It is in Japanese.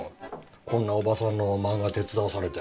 こんなおばさんの漫画手伝わされて。